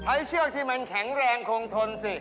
เชือกที่มันแข็งแรงคงทนสิ